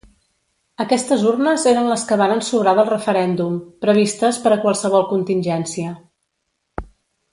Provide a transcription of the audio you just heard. Aquestes urnes eren les que varen sobrar del referèndum, previstes per a qualsevol contingència.